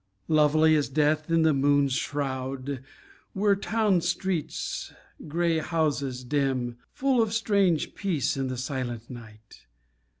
Lovely as death, in the moon's shroud, Were town streets, grey houses, dim, Full of strange peace in the silent night.